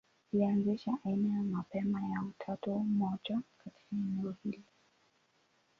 Ilianzisha aina ya mapema ya utatu mmoja katika eneo hilo.